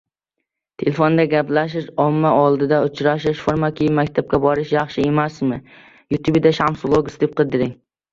Telefonda gaplashish, omma oldida uchrashish, forma kiyib maktabga borish yaxshi emasmi?